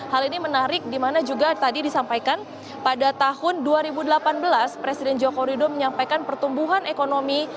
hal ini menarik dimana juga tadi disampaikan pada tahun dua ribu delapan belas presiden joko widodo menyampaikan pertumbuhan ekonomi